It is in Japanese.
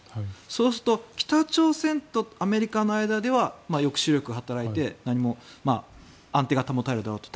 そうすると北朝鮮とアメリカの間では抑止力が働いて安定が保たれるだろうと。